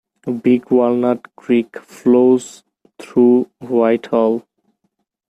Big Walnut Creek flows through Whitehall.